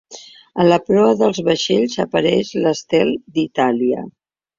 A la proa dels vaixells apareix l'estel d'Itàlia.